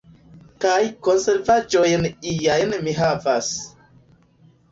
Kaj konservaĵojn iajn mi havas.